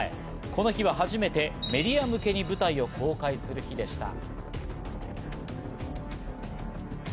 この日は初めてメディア向けに舞台を公開する日でした。